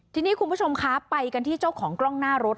ทีนี้คุณผู้ชมคะไปกันที่เจ้าของกล้องหน้ารถ